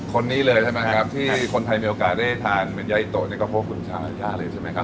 คนนี้เลยใช่ไหมครับที่คนไทยมีโอกาสได้ทานเป็นยาอิโตนี่ก็พบคุณชาลายาเลยใช่ไหมครับ